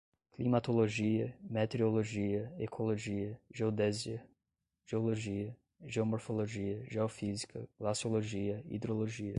climatologia, meteorologia, ecologia, geodesia, geologia, geomorfologia, geofísica, glaciologia, hidrologia